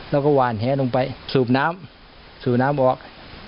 เราก็หวานแหลลงไปสูบน้ำออก